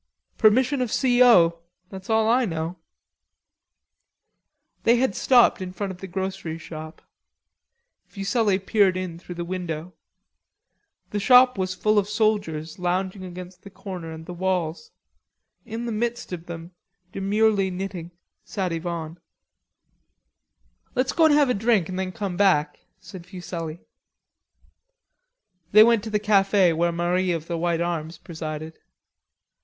"Permission of C. O., that's all I know of." They had stopped in front of the grocery shop. Fuselli peered in through the window. The shop was full of soldiers lounging against the counter and the walls. In the midst of them, demurely knitting, sat Yvonne. "Let's go and have a drink an' then come back," said Fuselli. They went to the cafe where Marie of the white arms presided.